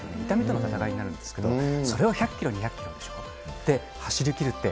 痛みとの闘いになるので、それを１００キロ、２００キロでしょ、走りきるって